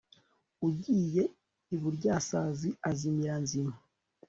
ugiye iburyasazi azimira nzima